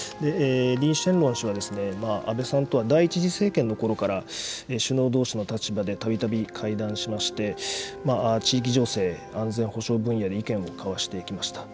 リー・シェンロン氏は安倍さんとは第１次政権のころから、首脳どうしの立場でたびたび会談しまして、地域情勢、安全保障分野で意見を交わしていきました。